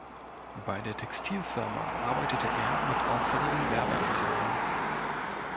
Bei der Textilfirma arbeitete er mit auffälligen Werbeaktionen.